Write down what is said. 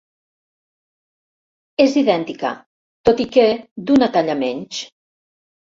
És idèntica, tot i que d'una talla menys.